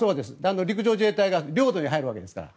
陸上自衛隊が領土に入るわけですから。